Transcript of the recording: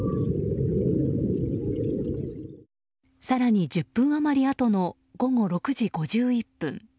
更に１０分余りあとの午後６時５１分。